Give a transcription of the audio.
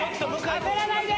焦らないで！